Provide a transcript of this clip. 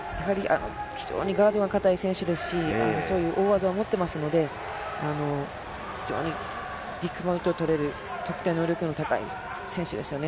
非常にガードが固い選手ですし大技を持っていますので非常にビッグポイントを取れる得点能力の高い選手ですよね。